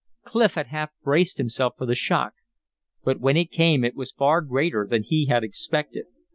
Clif had half braced himself for the shock; but when it came it was far greater than he had expected.